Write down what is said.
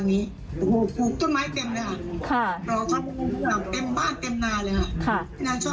พี่นางชอบลิฟท์มากดูแล้วนะคะ